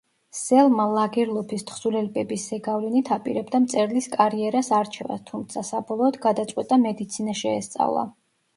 სელმა ლაგერლოფის თხზულებების ზეგავლენით აპირებდა მწერლის კარიერას არჩევას თუმცა საბოლოოდ გადაწყვიტა მედიცინა შეესწავლა.